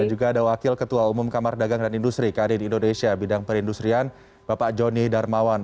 dan juga ada wakil ketua umum kamar dagang dan industri kad di indonesia bidang perindustrian bapak joni darmawan